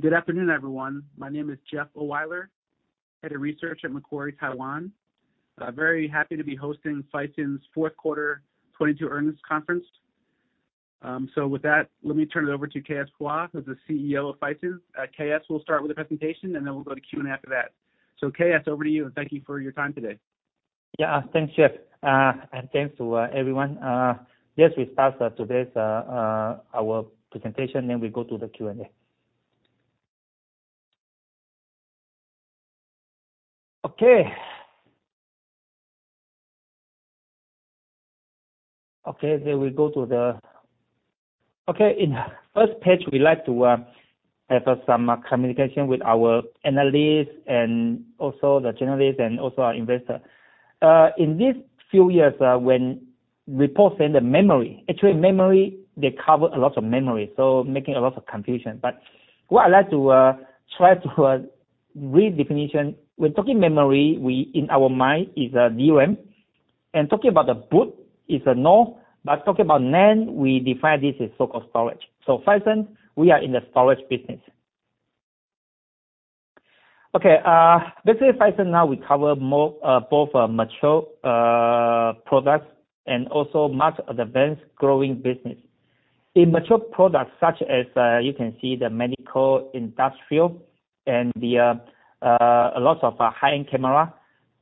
Good afternoon, everyone. My name is Jeff Ohlweiler, Head of Research at Macquarie Taiwan. I'm very happy to be hosting Phison's Fourth Quarter 2022 Earnings Conference. With that, let me turn it over to K.S. Pua, who's the CEO of Phison. K.S. will start with a presentation and then we'll go to Q&A after that. K.S., over to you, and thank you for your time today. Yeah. Thanks, Jeff. Thanks to everyone. Yes, we start today's our presentation. We go to the Q&A. Okay. We go to the... In first page, we like to have some communication with our analysts and also the journalists and also our investor. In these few years, when reports in the memory, actually memory, they cover a lot of memory, so making a lot of confusion. What I'd like to try to redefinition. When talking memory, we, in our mind is a DRAM. Talking about the boot is a NOR. Talking about NAND, we define this as so-called storage. Phison, we are in the storage business. Basically, Phison now we cover more both mature products and also much advanced growing business. In mature products such as, you can see the medical, industrial, and a lot of high-end camera.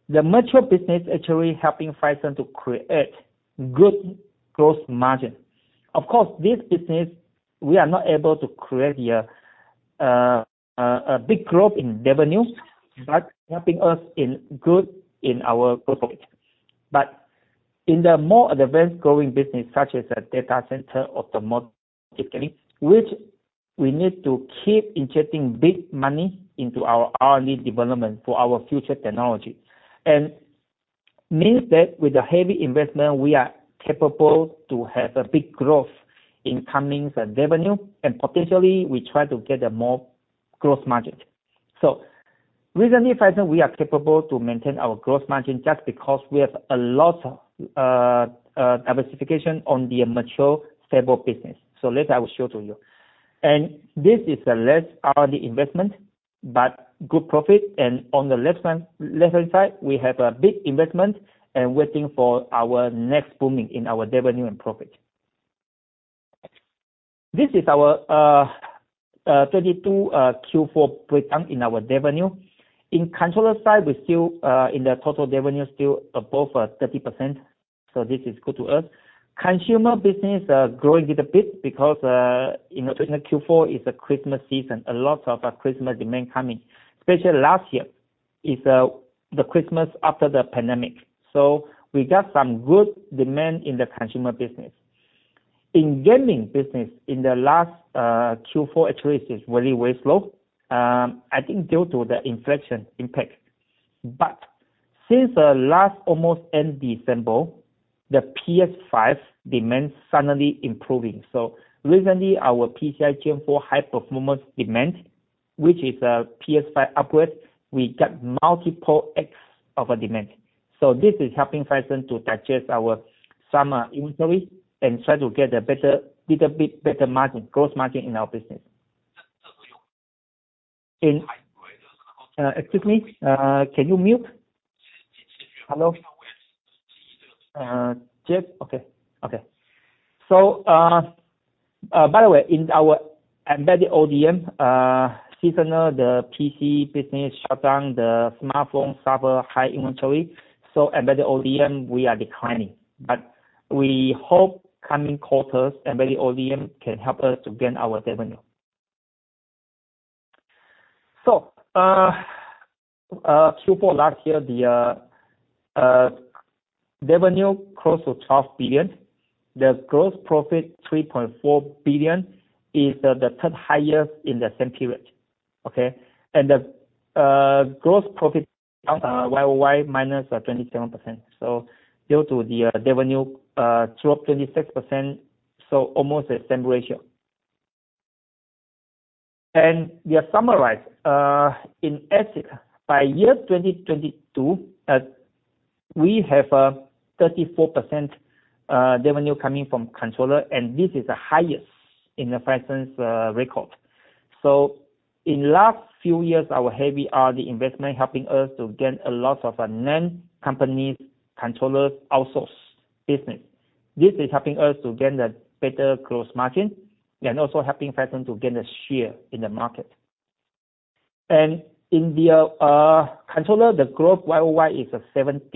The mature business actually helping Phison to create good gross margin. Of course, this business, we are not able to create a big growth in revenue, but helping us in growth in our profit. In the more advanced growing business, such as the data center, automotive, which we need to keep injecting big money into our R&D development for our future technology, and means that with the heavy investment, we are capable to have a big growth in coming revenue, and potentially we try to get a more gross margin. Recently, Phison, we are capable to maintain our gross margin just because we have a lot of diversification on the mature, stable business. Later, I will show to you. This is a less R&D investment, but good profit. On the left-hand side, we have a big investment and waiting for our next booming in our revenue and profit. This is our 2022 Q4 breakdown in our revenue. In controller side, we still in the total revenue, still above 30%, so this is good to us. Consumer business growing little bit because, you know, Q4 is a K.S.tmas season, a lot of K.S.tmas demand coming, especially last year is the K.S.tmas after the pandemic. We got some good demand in the consumer business. In gaming business, in the last Q4, actually is very slow, I think due to the inflation impact. Since last almost end December, the PS5 demand suddenly improving. Recently, our PCIe Gen 4 high-performance demand, which is PS5 upwards, we got multiple x of a demand. This is helping Phison to digest our summer inventory and try to get a better, little bit better margin, gross margin in our business. Excuse me, can you mute? Hello? Jeff? Okay. Okay. By the way, in our embedded ODM, seasonal, the PC business shut down, the smartphone suffer high inventory. Embedded ODM, we are declining, but we hope coming quarters, embedded ODM can help us to gain our revenue. Q4 last year, the revenue close to 12 billion. The gross profit, 3.4 billion, is the third highest in the same period. Okay? The gross profit, YoY -27%. Due to the revenue drop 26%, almost the same ratio. We summarize in ASIC, by year 2022, we have a 34% revenue coming from controller, and this is the highest in Phison's record. In last few years, our heavy R&D investment helping us to gain a lot of NAND companies, controllers, outsource business. This is helping us to gain the better gross margin and also helping Phison to gain the share in the market. In the controller, the growth YoY is 17%,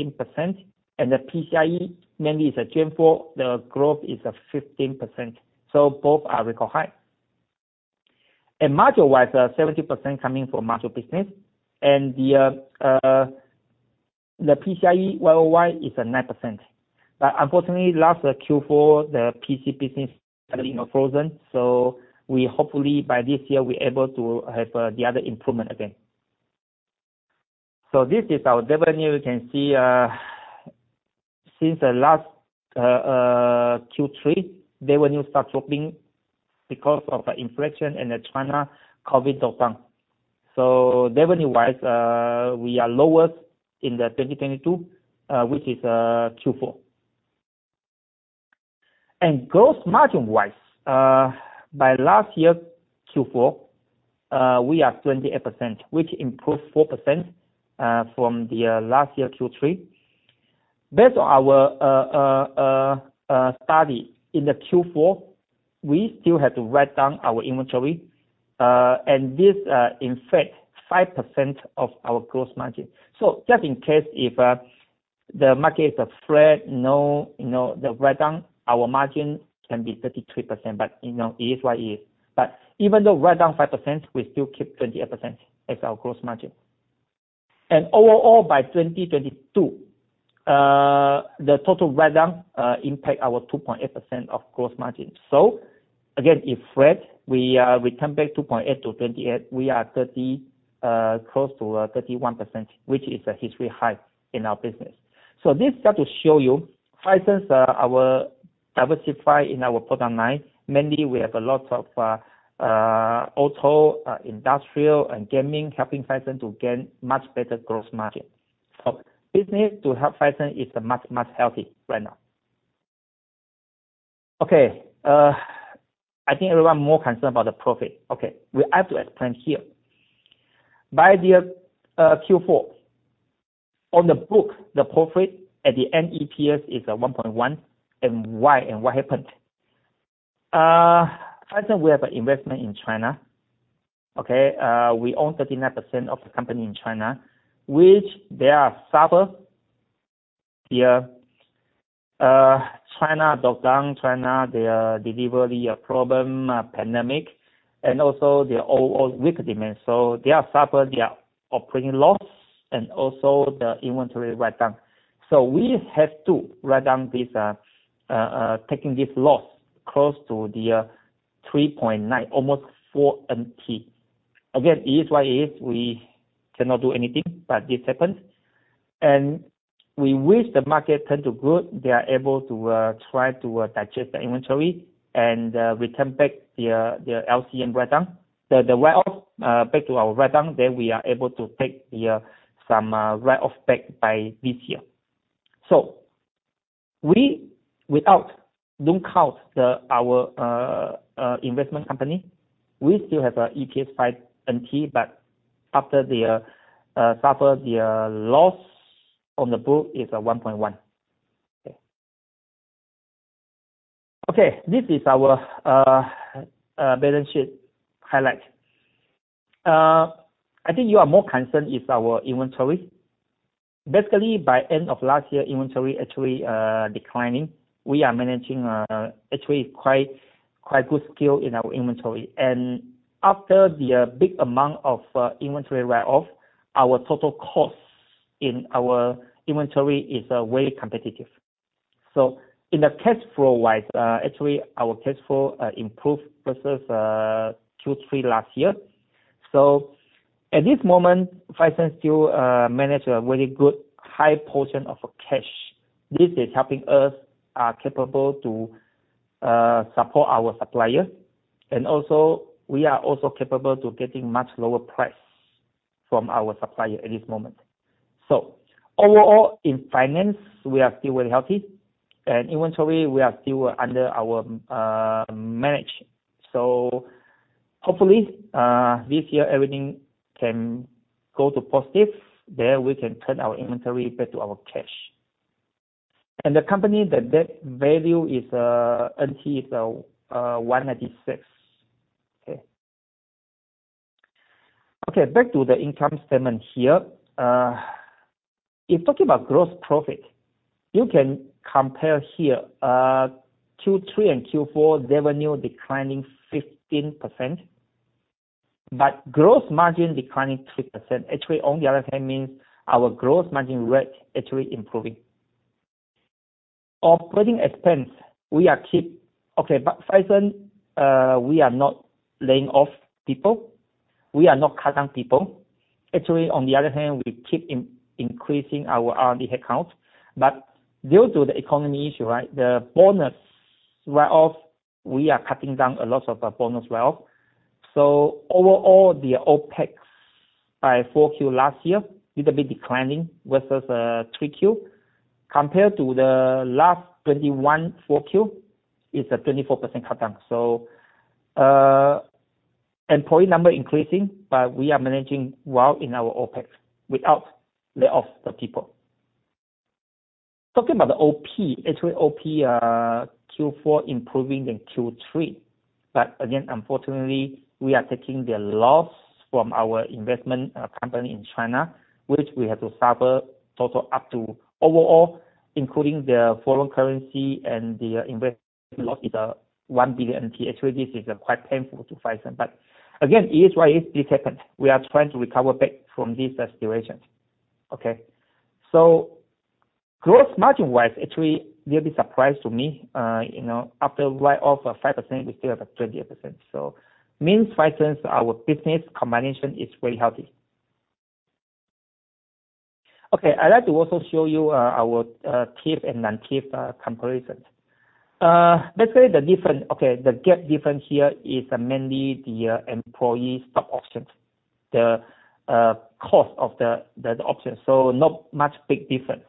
and the PCIe, mainly is a Gen 4, the growth is 15%. Both are record high. Module-wise, 70% coming from module business. The PCIe YoY is 9%. Unfortunately, last Q4, the PC business selling are frozen, we hopefully, by this year, we're able to have the other improvement again. This is our revenue. You can see, since the last Q3, revenue start dropping because of inflation and the China COVID lockdown. Revenue-wise, we are lowest in 2022, which is Q4. Gross margin wise, by last year Q4, we are 28%, which improved 4% from the last year Q3. Based on our study in the Q4, we still have to write down our inventory, and this infect 5% of our gross margin. Just in case if the market is a flat, no the write down, our margin can be 33%. You know, it is what it is. Even though write down 5%, we still keep 28% as our gross margin. Overall, by 2022, the total write down impact our 2.8% of gross margin. Again, if flat, we come back 2.8%-28%. We are 30%, close to 31%, which is a history high in our business. This start to show you, Hyzen's, our diversify in our product line. Mainly we have a lot of auto, industrial and gaming helping Hyzen to gain much better gross margin. Business to help Hyzen is much healthy right now. Okay. I think everyone more concerned about the profit. Okay, we have to explain here. By the Q4, on the book, the profit at the NEPS is 1.1. Why, and what happened? Hyzen, we have an investment in China, okay? We own 39% of the company in China, which they are suffering the China lockdown. China, their delivery problem, pandemic, and also their overall weak demand. They are suffering, they are operating loss and also the inventory write-down. So we have to write down this, taking this loss close to 3.9 million, almost 4 million NT. Again, it is what it is. We cannot do anything, but this happens. We wish the market turn to good. They are able to try to digest the inventory and return back the LCM write-down. The write-off back to our write-down, then we are able to take some write-off back by this year. we, without don't count the, our investment company, we still have a EPS 5 NT. after the suffer the loss on the book is 1.1. Okay. This is our balance sheet highlight. I think you are more concerned is our inventory. Basically, by end of last year, inventory actually declining. We are managing actually quite good skill in our inventory. after the big amount of inventory write-off, our total costs in our inventory is very competitive. in the cash flow wise, actually our cash flow improved versus Q3 last year. at this moment, Hyzen still manage a very good high portion of cash. This is helping us capable to support our supplier. Also, we are also capable to getting much lower price from our supplier at this moment. Overall in finance, we are still very healthy. Inventory, we are still under our manage. Hopefully, this year, everything can go to positive. There we can turn our inventory back to our cash. The company, the debt value is, it's 196. Okay, back to the income statement here. In talking about gross profit, you can compare here, Q3 and Q4, revenue declining 15%, gross margin declining 3%. Actually, on the other hand, means our gross margin rate actually improving. Operating expense, we are Okay. Hyzen, we are not laying off people. We are not cutting people. Actually, on the other hand, we keep increasing our R&D headcount. Due to the economy issue, right, the bonus write-off, we are cutting down a lot of the bonus write-off. Overall, the OpEx by 4Q last year little bit declining versus 3Q. Compared to the last 2021 4Q, it's a 24% cut down. Employee number increasing, but we are managing well in our OpEx without lay off the people. Talking about the OP. Actually, OP, Q4 improving in Q3. Again, unfortunately, we are taking the loss from our investment company in China, which we have to suffer total up to overall, including the foreign currency and the investment loss is 1 billion NT. Actually, this is quite painful to Hyzen. Again, it is what it is. This happened. We are trying to recover back from this situation. Okay. Gross margin wise, actually little bit surprise to me. You know, after write off of 5%, we still have a 28%. Means Hyzen's, our business combination is very healthy. Okay. I'd like to also show you our TIF and non-TIF comparisons. Basically the difference, the gap difference here is mainly the employee stock options. The cost of the options. Not much big difference.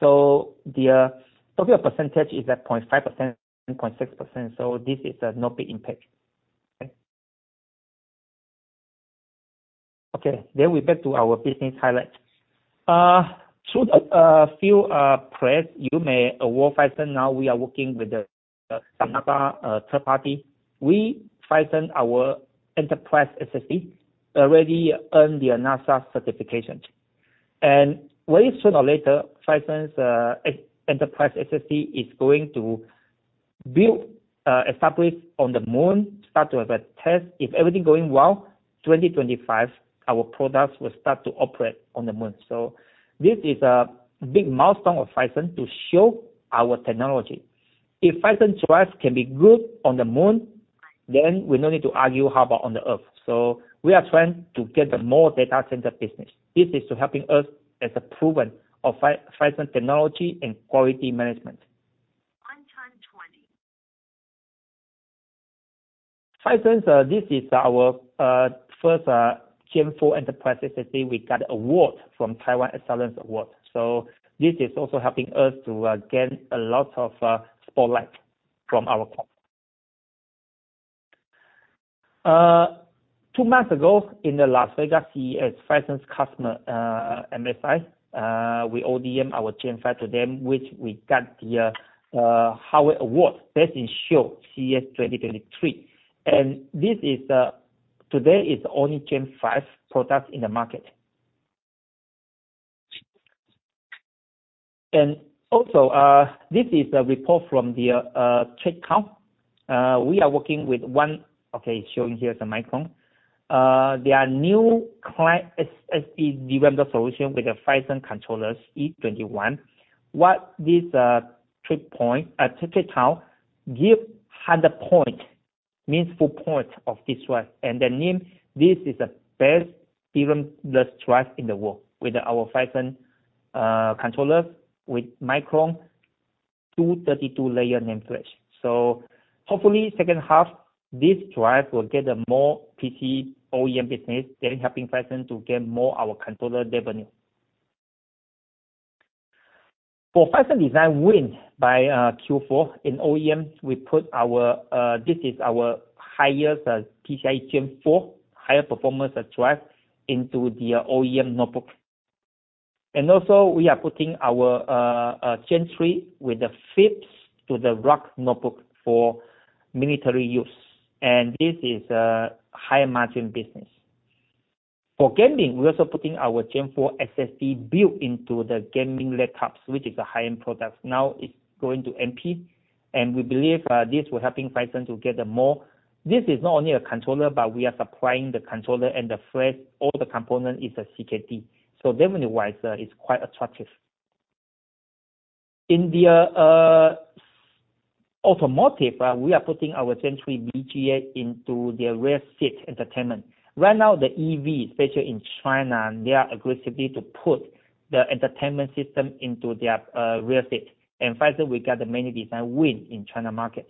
The total percentage is at 0.5% and 0.6%. This is a not big impact. Okay. We're back to our business highlights. The few press, you may award Phison now we are working with another third party. Phison, our enterprise SSD already earn the NASA certification. Way sooner or later, Phison's Enterprise SSD is going to build, establish on the moon, start with a test. If everything going well, 2025, our products will start to operate on the moon. This is a big milestone of Phison to show our technology. If Phison drive can be good on the moon, then we no need to argue how about on the Earth. We are trying to get the more data center business. This is to helping us as a proven of Phison technology and quality management. Phison, this is our first Gen 4 enterprise SSD. We got award from Taiwan Excellence Award. This is also helping us to gain a lot of spotlight from our client. Two months ago in the Las Vegas CES, Phison's customer, MSI, we ODM our Gen 5 to them, which we got the how it award. Best in show CES 2023. This is today is only Gen 5 product in the market. Also, this is a report from the TradeQ. We are working with one... Okay, showing here the Micron. Their new client SSD V-NAND solution with the Phison controllers E21. What this trade point, TradeQ give 100 point, means full point of this one. The mean, this is a best DRAM-less drive in the world with our Phison controllers, with Micron 232-layer NAND flash. Hopefully second half, this drive will get a more PC OEM business, then helping Phison to gain more our controller revenue. For Phison design win by Q4. In OEM, we put our, this is our highest PCIe Gen 4, higher performance drive into the OEM notebook. Also we are putting our Gen 3 with the FIPS to the rugged notebook for military use. This is a high margin business. For gaming, we're also putting our Gen 4 SSD built into the gaming laptops, which is a high-end product. Now it's going to MP. We believe, this will helping Phison to get a more... This is not only a controller, but we are supplying the controller and the flash. All the component is a CKD. Revenue-wise, it's quite attractive. In the automotive, we are putting our Gen 3 BGA into the rear seat entertainment. Right now, the EV, especially in China, they are aggressively to put the entertainment system into their rear seat. Phison, we got many design win in China market.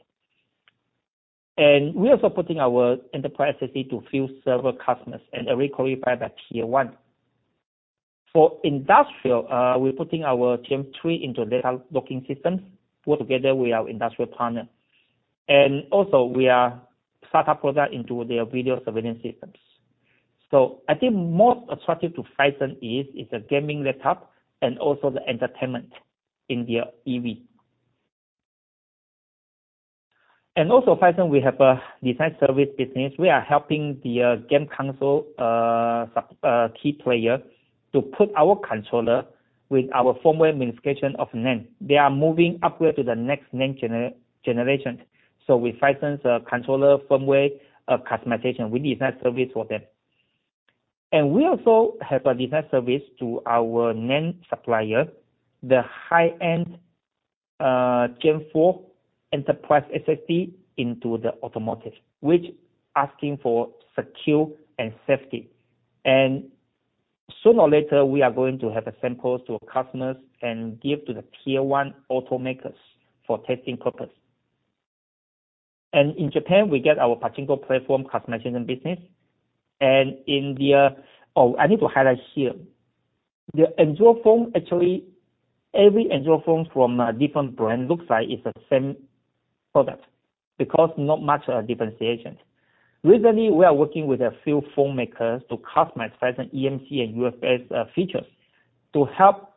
We're also putting our enterprise SSD to few server customers and already qualified by tier one. For industrial, we're putting our Gen 3 into data logging systems work together with our industrial partner. Also we are start up product into their video surveillance systems. I think most attractive to Phison is the gaming laptop and also the entertainment in the EV. Also, Phison, we have a design service business. We are helping the game console key player to put our controller with our firmware management of NAND. They are moving upward to the next NAND generation. With Phison's controller firmware customization, we design service for them. We also have a design service to our NAND supplier, the high-end Gen 4 enterprise SSD into the automotive, which asking for secure and safety. Sooner or later, we are going to have samples to customers and give to the tier one automakers for testing purpose. In Japan, we get our Pachinko platform customization business. In the... Oh, I need to highlight here. The Android phone, actually, every Android phone from a different brand looks like it's the same product because not much differentiation. Recently, we are working with a few phone makers to customize Phison eMMC and UFS features to help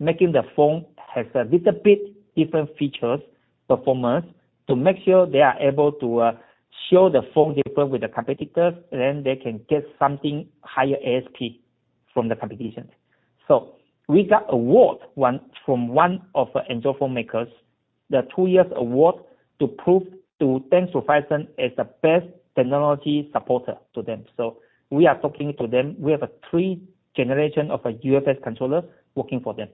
making the phone has a little bit different features, performance to make sure they are able to show the phone different with the competitors, then they can get something higher ASP from the competition. We got award one, from one of Android phone makers, the two years award to prove to thanks to Phison as the best technology supporter to them. We are talking to them. We have a three generation of a UFS controller working for them.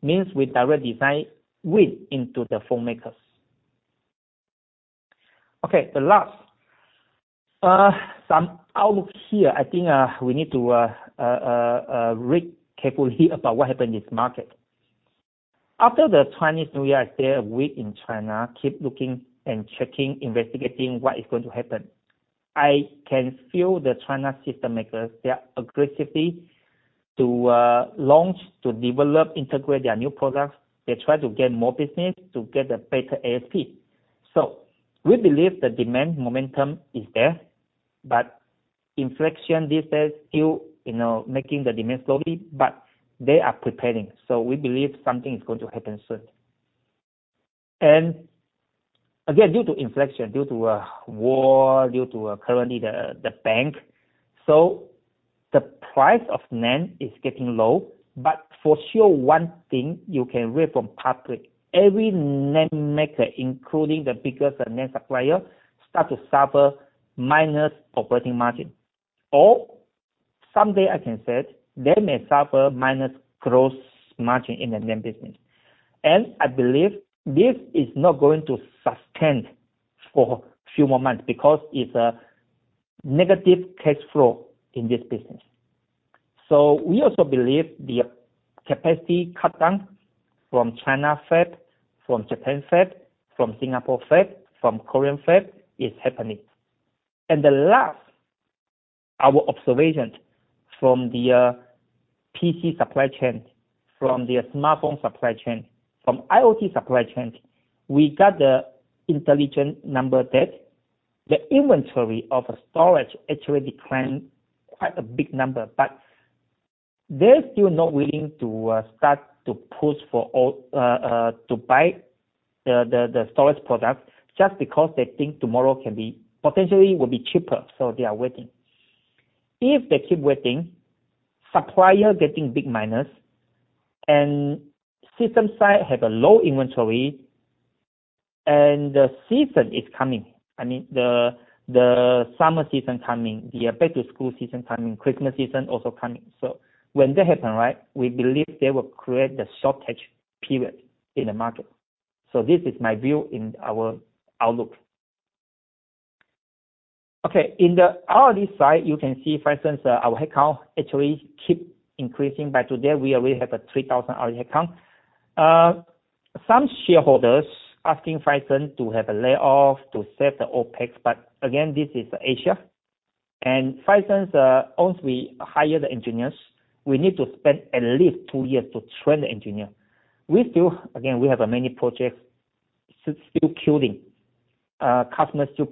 Means we direct design win into the phone makers. Okay, the last, some outlook here. I think, we need to read carefully about what happened in this market. After the Lunar New Year, I stay a week in China, keep looking and checking, investigating what is going to happen. I can feel the China system makers, their aggressively to launch, to develop, integrate their new products. They try to get more business to get a better ASP. We believe the demand momentum is there, but inflection this year still, you know, making the demand slowly, but they are preparing. We believe something is going to happen soon. Again, due to inflation, due to war, due to currently the bank. The price of NAND is getting low, but for sure one thing you can read from public, every NAND maker, including the biggest NAND supplier, start to suffer minus operating margin. Or someday, I can say it, they may suffer minus gross margin in the NAND business. I believe this is not going to sustain for few more months because it's a negative cash flow in this business. We also believe the capacity cut down from China fab, from Japan fab, from Singapore fab, from Korean fab is happening. The last, our observations from the PC supply chain, from the smartphone supply chain, from IoT supply chain, we got the intelligent number that the inventory of storage actually declined quite a big number, but they're still not willing to start to push for all to buy the storage product just because they think tomorrow can be potentially will be cheaper, so they are waiting. If they keep waiting, supplier getting big minus and system side have a low inventory, and the season is coming. I mean, the summer season coming, the back to school season coming, K.S.tmas season also coming. When that happen, right, we believe they will create the shortage period in the market. This is my view in our outlook. Okay. In the R&D side, you can see Phison's, our account actually keep increasing. By today, we already have a 3,000 R&D account. Some shareholders asking Phison to have a layoff to save the OpEx. Again, this is Asia, and Phison's, once we hire the engineers, we need to spend at least two years to train the engineer. Again, we have a many projects still queuing, customers still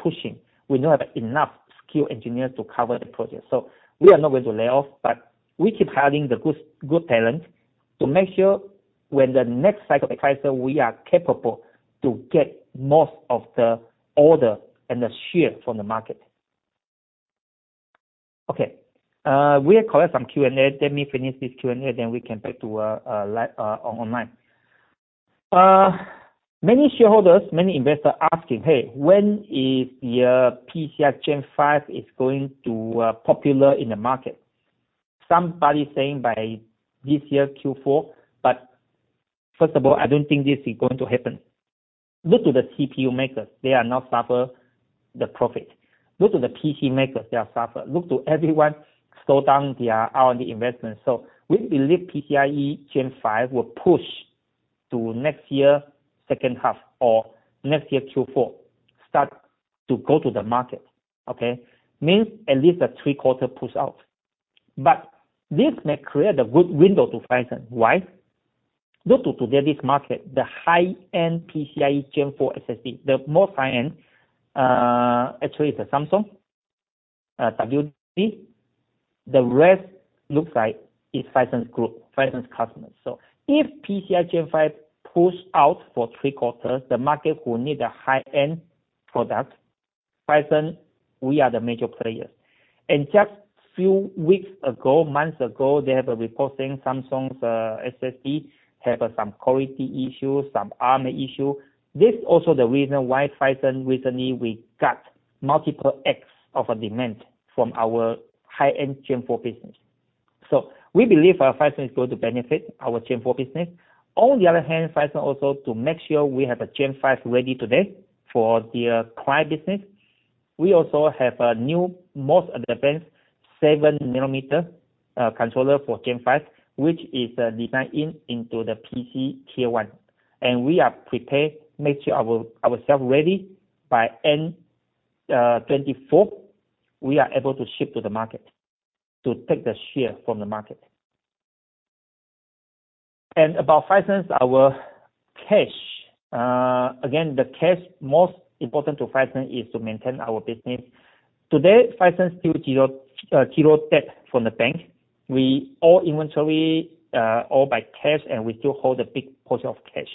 pushing. We don't have enough skilled engineers to cover the project. We are not going to lay off, but we keep hiring the good talent to make sure when the next cycle of crisis, we are capable to get most of the order and the share from the market. Okay. We have collect some Q&A. Let me finish this Q&A, then we can back to online. Many shareholders, many investors asking, "Hey, when is your PCIe Gen 5 is going to popular in the market?" Somebody saying by this year's Q4. First of all, I don't think this is going to happen. Look to the CPU makers, they are now suffer the profit. Look to the PC makers, they are suffer. Look to everyone slow down their R&D investment. We believe PCIe Gen 5 will push to next year second half or next year Q4, start to go to the market. Okay? Means at least a three quarter push out. This may create a good window to Phison. Why? Look to today's market, the high-end PCIe Gen 4 SSD, the more high-end, actually is a Samsung, WD. The rest looks like it's Phison's group, Phison's customers. If PCIe Gen 5 push out for three quarters, the market will need a high-end product. Phison, we are the major players. Just few weeks ago, months ago, they have a report saying Samsung's SSD have some quality issues, some RMA issue. This also the reason why Phison recently we got multiple x of a demand from our high-end Gen 4 business. We believe Phison is going to benefit our Gen 4 business. On the other hand, Phison also to make sure we have a Gen 5 ready today for the client business. We also have a new most advanced 7 millimeter controller for Gen 5, which is designed in, into the PC tier one. We are prepared, make sure ourselves ready by end 2024, we are able to ship to the market to take the share from the market. About Phison's, our cash. Again, the cash most important to Phison is to maintain our business. Today, Phison still zero debt from the bank. We all inventory, all by cash, and we still hold a big portion of cash.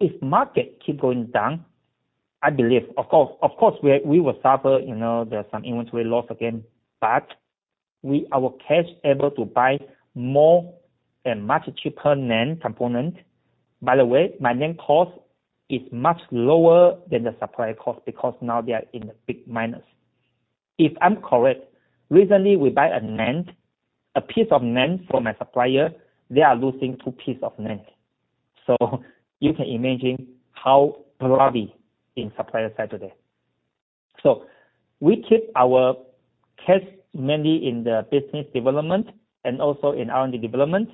If market keep going down, I believe... Of course, of course, we will suffer, you know, there's some inventory loss again, but our cash able to buy more and much cheaper NAND component. By the way, my NAND cost is much lower than the supplier cost because now they are in a big minus. If I'm correct, recently we buy a NAND, a piece of NAND from a supplier, they are losing two piece of NAND. You can imagine how bloody in supplier side today. We keep our cash mainly in the business development and also in R&D development.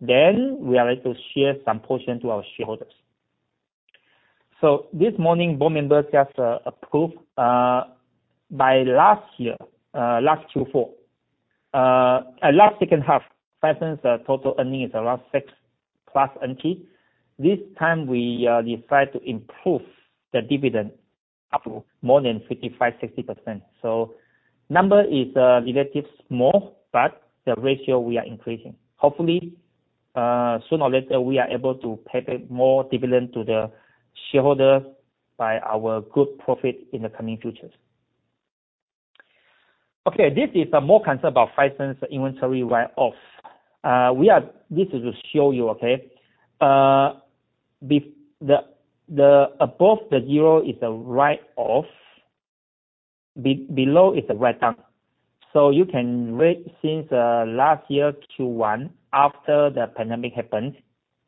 We are able to share some portion to our shareholders. This morning, board members just approved by last year, last Q4, last second half, Phison's total earning is around 6+. This time, we decide to improve the dividend up more than 55%-60%. Number is relative small, but the ratio we are increasing. Hopefully, sooner or later, we are able to pay back more dividend to the shareholders by our good profit in the coming futures. Okay, this is more concern about Phison's inventory write-off. This is to show you, okay? The above the zero is a write-off. Below is a write-down. You can read since last year, Q1, after the pandemic happened,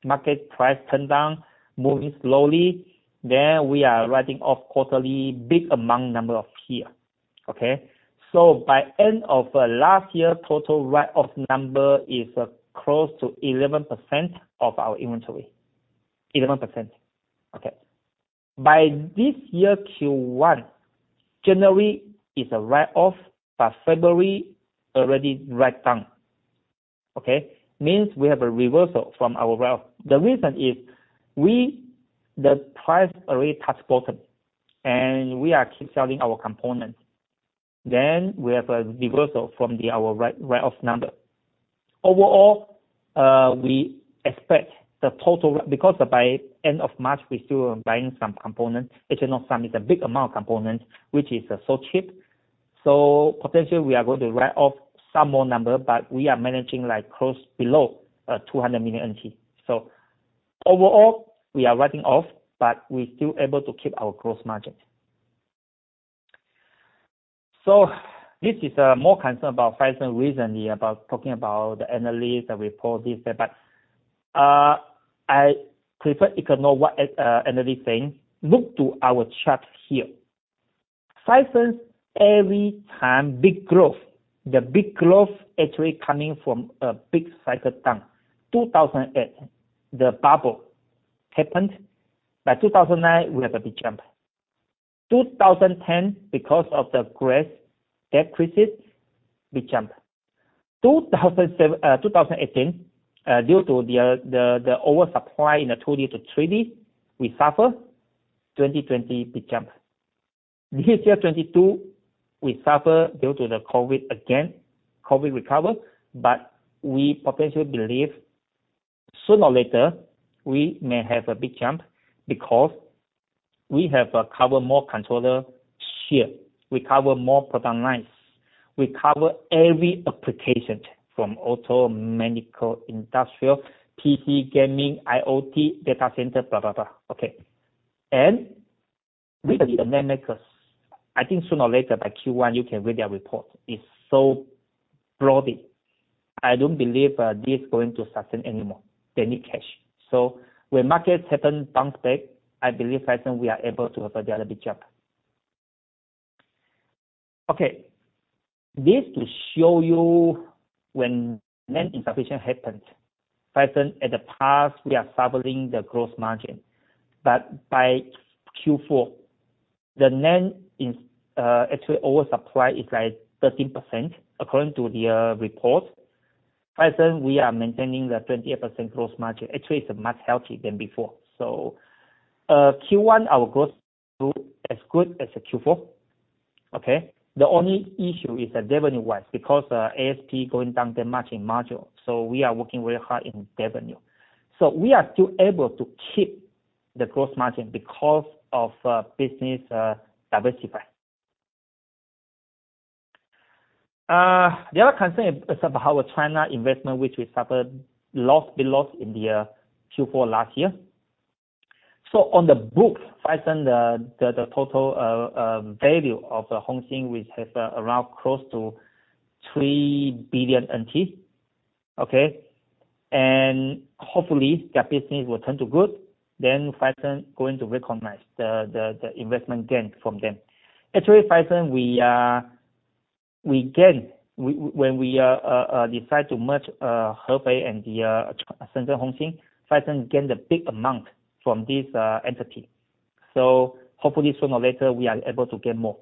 market price turned down, moving slowly. We are writing off quarterly big amount number of here. By end of last year, total write-off number is close to 11% of our inventory. 11%. By this year, Q1, January is a write-off, but February already write down. Means we have a reversal from our write-off. The reason is the price already touch bottom, and we are keep selling our components. We have a reversal from our write-off number. Overall, we expect the total because by end of March, we still buying some components. It's a big amount of components which is so cheap. Potentially we are going to write off some more number, but we are managing like close below 200 million NT. Overall, we are writing off, but we still able to keep our gross margin. This is more concern about Phison recently about talking about the analyst report this. I prefer you can know what analyst saying. Look to our chart here. Phison every time, big growth. The big growth actually coming from a big cycle down. 2008, the bubble happened. By 2009, we have a big jump. 2010, because of the great debt crisis, big jump. 2018, due to the oversupply in the 2D to 3D, we suffer. 2020, big jump. This year, 2022, we suffer due to the COVID again. COVID recover, but we potentially believe sooner or later, we may have a big jump because we have covered more controller share. We cover more product lines. We cover every application from auto, medical, industrial, PC, gaming, IoT, data center, blah, blah. Okay. With the dynamic, I think sooner or later by Q1, you can read their report. It's so broad. I don't believe this is going to sustain anymore. They need cash. When markets happen, bounce back, I believe Phison, we are able to have the other big jump. Okay. This to show you when NAND insufficient happened. Phison at the past, we are suffering the gross margin. By Q4, the NAND is actually oversupply is like 13% according to their report. Phison, we are maintaining the 28% gross margin. Actually, it's much healthier than before. Q1, our gross look as good as Q4. Okay? The only issue is the revenue-wise because ASP going down, they matching module. We are working very hard in revenue. We are still able to keep the gross margin because of business diversify. The other concern is about our China investment, which we suffered loss, big loss in the Q4 last year. On the book, Phison, the total value of Hongxin, which has around close to 3 billion NT. Okay? Hopefully, their business will turn to good. Phison going to recognize the investment gain from them. Actually, Phison, we gain when we decide to merge Hebei and the Shenzhen Hongxin. Phison gain the big amount from this entity. Hopefully, sooner or later, we are able to gain more.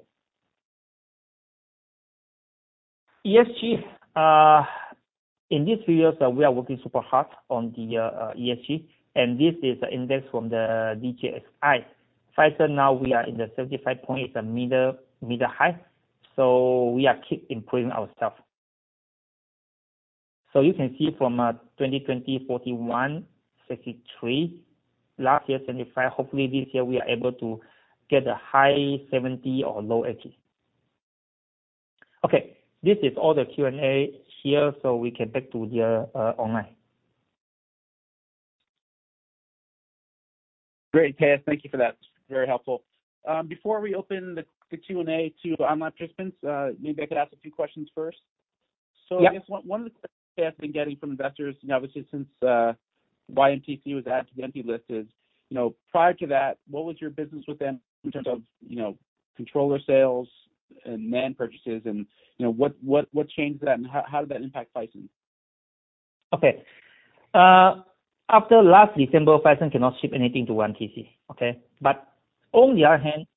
ESG, in these three years, we are working super hard on the ESG, and this is index from the DJSI. Phison now we are in the 75 point. It's a middle high. We are keep improving our stuff. You can see from 2020, 41, 63. Last year, 75. Hopefully, this year we are able to get a high 70 or low 80. This is all the Q&A here, we can back to the online. Great, K.S.. Thank you for that. Very helpful. Before we open the Q&A to online participants, maybe I could ask a few questions first. I guess one of the questions I've been getting from investors, you know, obviously since YMTC was added to the Entity List is, you know, prior to that, what was your business with them in terms of, you know, controller sales and NAND purchases and, you know, what changed that and how did that impact Phison? Okay. after last December, Phison cannot ship anything to YMTC. Okay? On the other hand,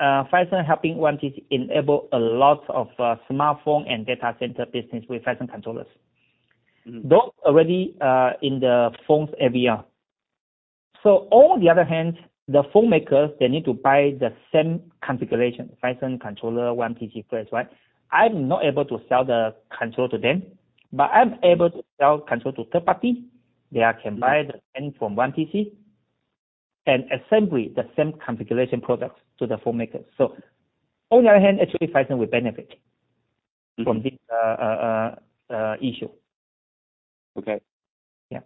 Phison helping YMTC enable a lot of smartphone and data center business with Phison controllers. Mm-hmm. Those already in the phones AVR. On the other hand, the phone makers, they need to buy the same configuration, Phison controller, YMTC flash, right? I'm not able to sell the controller to them, but I'm able to sell controller to third party. They can buy the NAND from YMTC and assembly the same configuration products to the phone makers. On the other hand, actually Phison will benefit. Mm-hmm. From this issue. Okay. Yeah.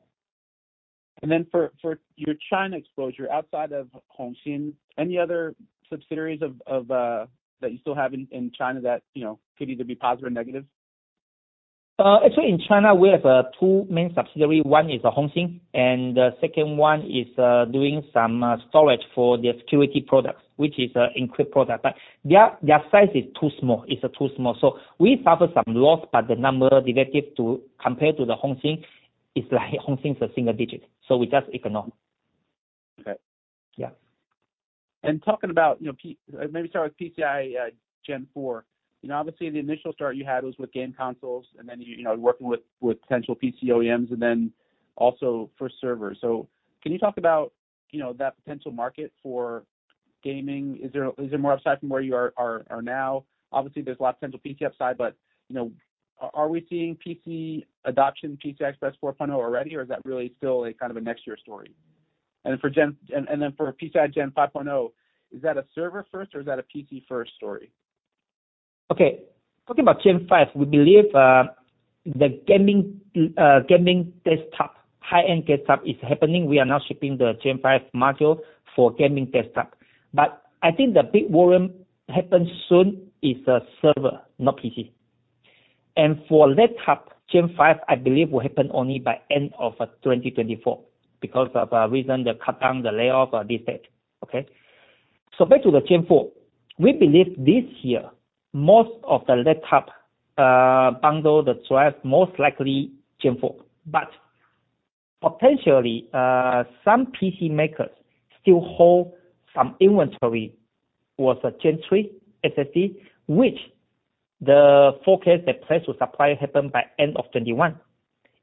For your China exposure outside of Hongxin, any other subsidiaries of that you still have in China that, you know, could either be positive or negative? Actually in China, we have two main subsidiaries. One is Hongxin, and the second one is doing some storage for the security products, which is encrypt product. Their size is too small. It's too small. We suffer some loss, but the number relative to compared to the Hongxin is like Hongxin is a single digit. We just ignore. Okay. Yeah. Talking about, you know, maybe start with PCI Gen 4. You know, obviously the initial start you had was with game consoles and then, you know, working with potential PC OEMs and then also for server. Can you talk about, you know, that potential market for gaming? Is there more upside from where you are now? Obviously, there's a lot of central PC upside, but, you know, are we seeing PC adoption, PC Express 4.0 already, or is that really still a kind of a next year story? For PCI Gen 5.0, is that a server first or is that a PC first story? Okay. Talking about Gen 5, we believe, the gaming desktop, high-end desktop is happening. We are now shipping the Gen 5 module for gaming desktop. I think the big volume happen soon is the server, not PC. For laptop, Gen 5, I believe will happen only by end of 2024 because of reason the cutdown, the layoff, this, that. Okay? Back to the Gen 4. We believe this year, most of the laptop, bundle the drive, most likely Gen 4. Potentially, some PC makers still hold some inventory was a Gen 3 SSD, which the forecast that place to supply happened by end of 2021.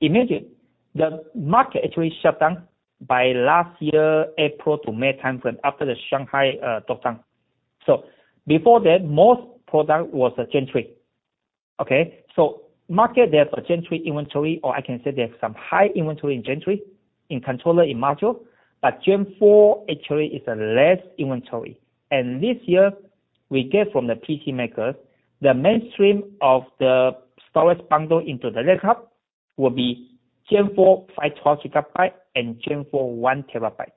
Imagine the market actually shut down by last year, April to May timeframe after the Shanghai, lockdown. Before that, most product was a Gen 3, okay? Market, there's a Gen3 inventory or I can say there's some high inventory in Gen3 in controller, in module, Gen 4 actually is a less inventory. This year, we get from the PC makers, the mainstream of the storage bundle into the laptop will be Gen 4 512 GB and Gen 4 1 TB.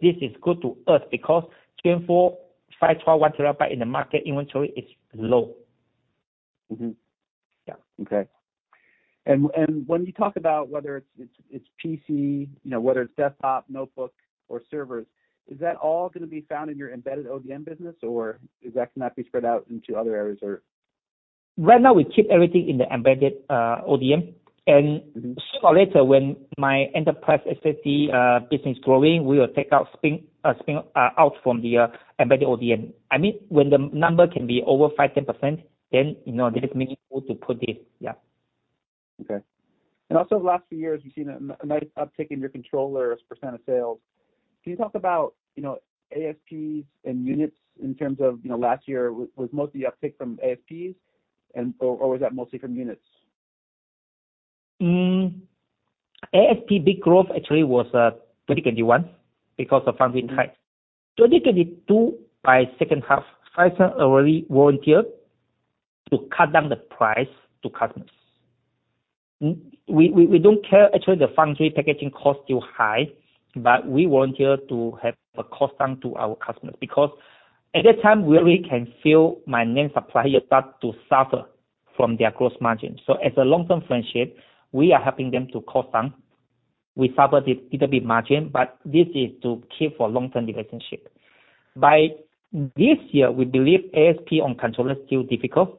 This is good to us because Gen 4 512, 1 TB in the market inventory is low. Mm-hmm. Yeah. Okay. When you talk about whether it's PC, you know, whether it's desktop, notebook, or servers, is that all gonna be found in your embedded ODM business, or is that gonna be spread out into other areas, or? Right now we keep everything in the embedded ODM. Sooner or later, when my enterprise SSD business growing, we will take out spin out from the embedded ODM. I mean, when the number can be over 5%, 10%, then, you know, this is meaningful to put it. Yeah. Okay. Also the last few years, you've seen a nice uptick in your controllers percent of sales. Can you talk about, you know, ASPs and units in terms of, you know, last year was mostly uptick from ASPs and/or was that mostly from units? ASP big growth actually was 2021 because of fan-in type. 2022 by second half, Phison already volunteered to cut down the price to customers. We don't care actually the fan-in packaging cost still high, we volunteer to have a cost down to our customers because at that time, we already can feel my main supplier start to suffer from their gross margin. As a long-term friendship, we are helping them to cost down. We suffer the little bit margin, this is to keep for long-term relationship. By this year, we believe ASP on controller is still difficult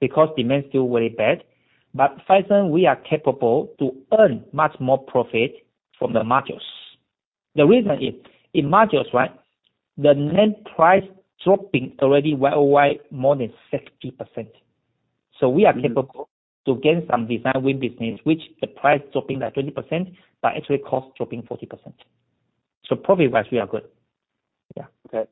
because demand is still very bad. Phison, we are capable to earn much more profit from the modules. The reason is, in modules, right, the NAND price dropping already YoY more than 60%. We are capable to gain some design win business, which the price dropping like 20%, but actually cost dropping 40%. Profit-wise, we are good. Yeah. Okay.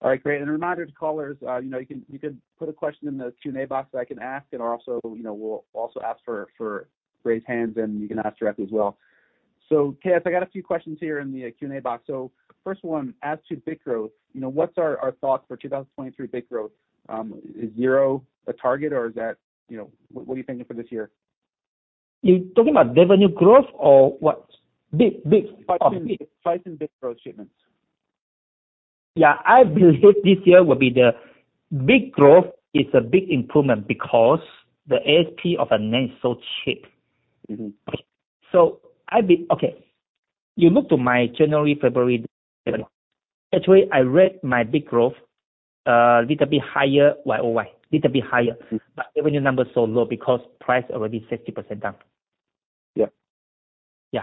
All right, great. A reminder to callers, you know, you can put a question in the Q&A box that I can ask, and also, you know, we'll also ask for raise hands, and you can ask directly as well. K.S., I got a few questions here in the Q&A box. First one, as to bit growth, you know, what's our thoughts for 2023 bit growth? Is zero a target or is that, you know? What are you thinking for this year? You talking about revenue growth or what? Bit of bit. Phison bit growth shipments. Yeah, I believe this year will be the big growth. It's a big improvement because the ASP of a NAND is so cheap. Mm-hmm. Okay, you look to my January, February. Actually, I read my big growth, little bit higher YoY, little bit higher. Mm. Revenue number is so low because price already 60% down. Yeah. Yeah.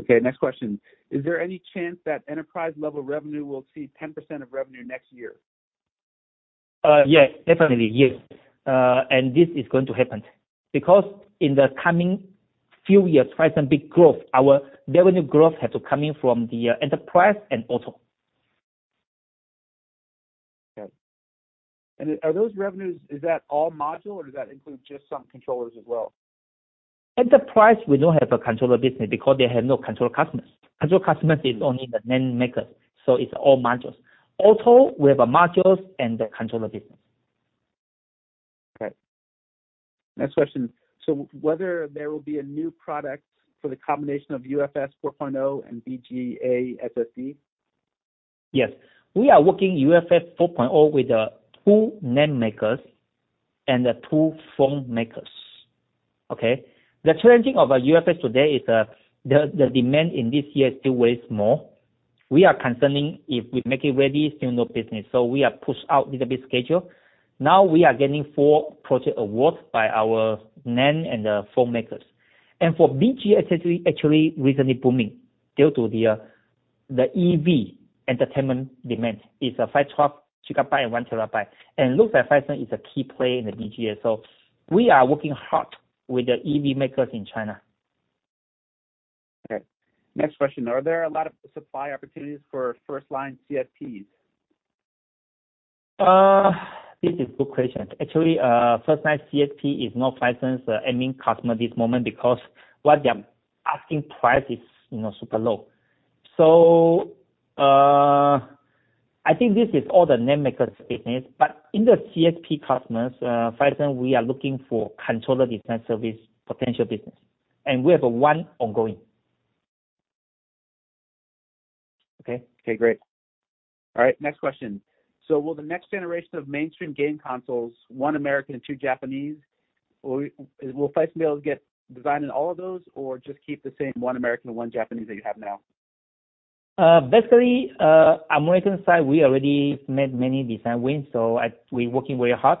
Okay, next question. Is there any chance that enterprise level revenue will see 10% of revenue next year? Yes, definitely, yes. This is going to happen because in the coming few years, Phison big growth, our revenue growth has to coming from the enterprise and auto. Okay. Are those revenues, is that all module, or does that include just some controllers as well? Enterprise, we don't have a controller business because they have no control customers. Control customers is only the NAND makers, so it's all modules. Also, we have a modules and the controller business. Okay. Next question. Whether there will be a new product for the combination of UFS 4.0 and BGA SSD? Yes. We are working UFS 4.0 with the two NAND makers and the two phone makers, okay? The challenging of a UFS today is the demand in this year still way small. We are concerning if we make it ready, still no business. We are pushed out little bit schedule. Now we are getting four project awards by our NAND and the phone makers. For BGA SSD, actually recently booming due to the EV entertainment demand. It's a 512 GB and 1 TB. Looks like Phison is a key player in the BGA. We are working hard with the EV makers in China. Okay. Next question. Are there a lot of supply opportunities for first-line CSPs? This is good question. Actually, first-line CSP is not Phison's aiming customer this moment because what they are asking price is, you know, super low. I think this is all the NAND makers business. In the CSP customers, Phison we are looking for controller design service potential business, and we have one ongoing. Okay. Okay, great. All right, next question. Will the next generation of mainstream game consoles, one American, two Japanese, or will Phison be able to get design in all of those or just keep the same one American, one Japanese that you have now? Basically, American side, we already made many design wins, so we working very hard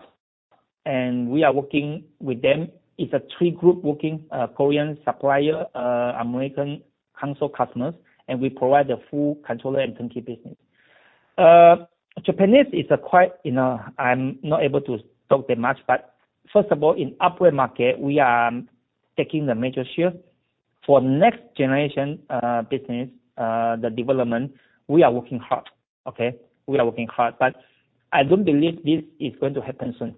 and we are working with them. It's a three-group working, Korean supplier, American console customers, and we provide the full controller and turnkey business. Japanese is a quite, you know, I'm not able to talk that much. First of all, in upward market, we are taking the major share. For next generation, business, the development, we are working hard. Okay? We are working hard. I don't believe this is going to happen soon.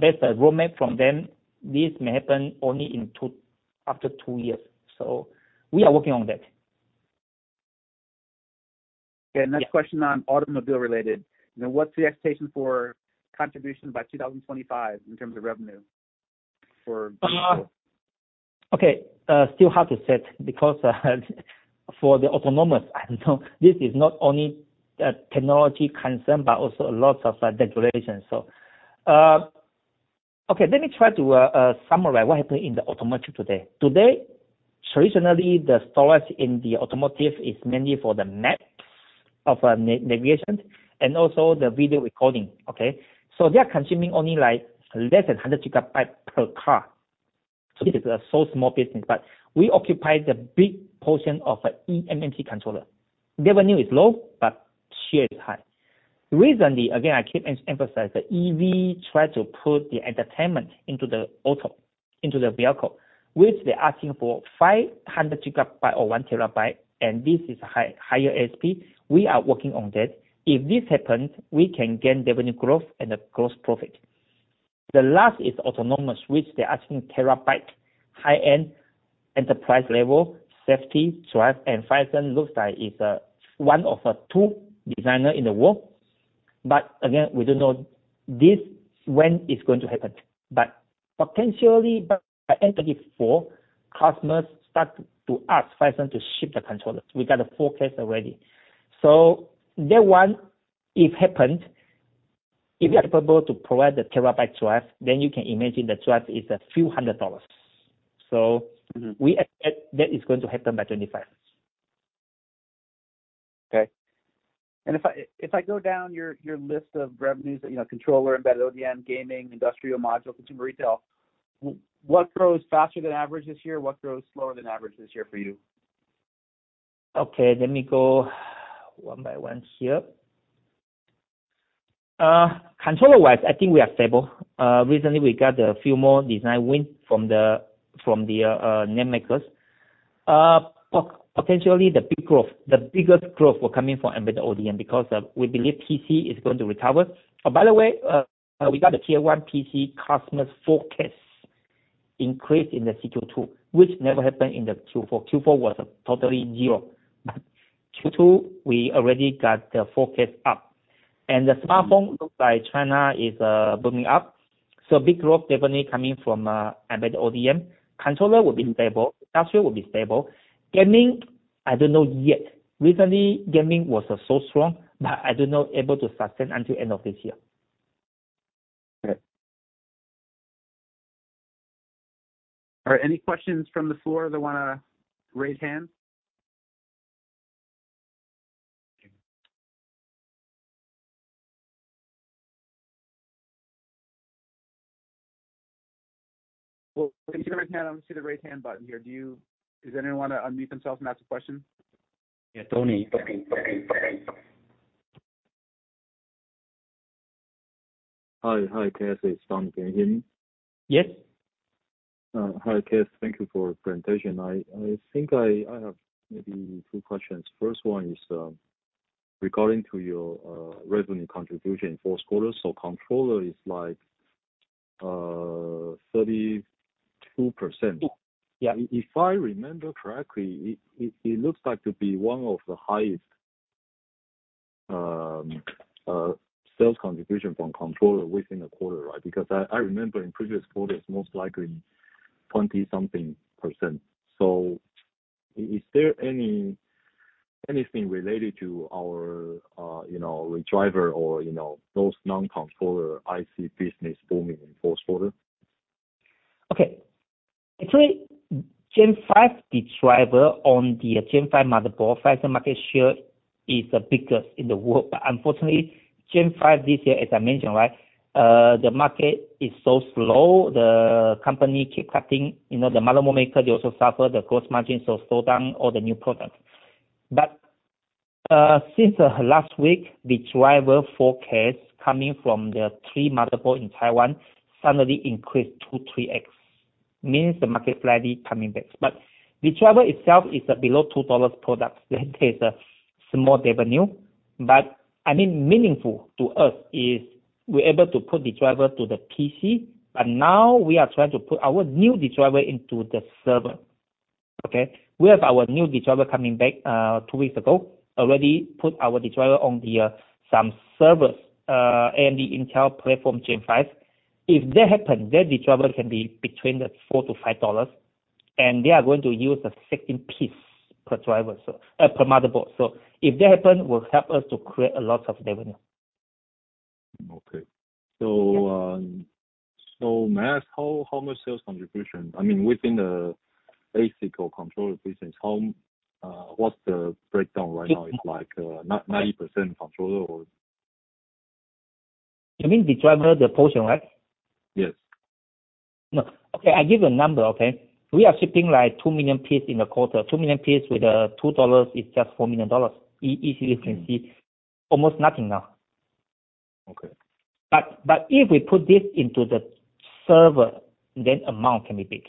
Based on roadmap from them, this may happen only after two years. We are working on that. Okay. Yeah. Next question on automobile related. Now, what's the expectation for contribution by 2020 in terms of revenue for? Okay, still hard to say because for the autonomous, I don't know, this is not only a technology concern, but also a lot of regulations. Okay, let me try to summarize what happened in the automotive today. Today, traditionally, the storage in the automotive is mainly for the maps of navigation and also the video recording, okay? They're consuming only, like, less than 100 GB per car. This is a so small business, but we occupy the big portion of eMMC controller. Revenue is low, but share is high. Recently, again, I keep emphasize that EV try to put the entertainment into the auto, into the vehicle, which they're asking for 500 GB or 1 TB, and this is higher ASP. We are working on that. If this happens, we can gain revenue growth and a gross profit. The last is autonomous, which they're asking terabyte, high-end enterprise level, safety, drive, and Phison looks like is one of two designer in the world. Again, we don't know this, when it's going to happen. Potentially, by end 2024, customers start to ask Phison to ship the controllers. We got a forecast already. That one, if happened, if we are able to provide the TB drive, then you can imagine the drive is a few hundred dollars. Mm-hmm. we expect that is going to happen by 2025. Okay. If I go down your list of revenues, you know, controller, embedded ODM, gaming, industrial module, consumer retail, what grows faster than average this year? What grows slower than average this year for you? Controller-wise, I think we are stable. Recently we got a few more design win from the NAND makers. Potentially the big growth, the biggest growth will coming from embedded ODM because we believe PC is going to recover. By the way, we got a tier one PC customers forecast increase in the Q2, too, which never happened in the Q4. Q4 was totally zero. Q2, we already got the forecast up. The smartphone looks like China is booming up. Big growth definitely coming from embedded ODM. Controller will be stable. Industrial will be stable. Gaming, I don't know yet. Recently, gaming was so strong, I do not able to sustain until end of this year. Okay. Are any questions from the floor that wanna raise hands? Well, can you see the raise hand? I don't see the raise hand button here. Does anyone wanna unmute themselves and ask a question? Yeah. Tony. Hi. Hi, K.S.. It's Tom. Can you hear me? Yes. Hi, K.S.. Thank you for presentation. I think I have maybe two questions. First one is regarding to your revenue contribution in fourth quarter. Controller is like 32%. Yeah. If I remember correctly, it looks like to be one of the highest, sales contribution from controller within the quarter, right? Because I remember in previous quarters, most likely 20%. Is there anything related to our, you know, driver or, you know, those non-controller IC business booming in fourth quarter? Okay. Actually, Gen 5, the driver on the Gen 5 motherboard, Phison market share is the biggest in the world. Unfortunately, Gen 5 this year, as I mentioned, right, the market is so slow. The company keep cutting. You know, the motherboard maker, they also suffer the gross margin, so slow down all the new products. Since the last week, the driver forecast coming from the three motherboard in Taiwan suddenly increased 2x, 3x, means the market finally coming back. The driver itself is below 2 dollars product. That is a small revenue. I mean, meaningful to us is we're able to put the driver to the PC, and now we are trying to put our new driver into the server. Okay? We have our new driver coming back, two weeks ago, already put our driver on the, some servers, and the Intel platform Gen 5. If that happen, their driver can be between 4-5 dollars, and they are going to use the 16 piece per driver so, per motherboard. If that happen, will help us to create a lot of revenue. Okay. May I ask how much sales contribution, I mean, within the ASIC or controller business, how, what's the breakdown right now? It's like 90% controller or? You mean the driver, the portion, right? Yes. No. Okay, I give a number, okay? We are shipping like 2 million piece in a quarter. 2 million piece with 2 dollars is just 4 million dollars. Easily you can see almost nothing now. Okay. If we put this into the server, then amount can be big.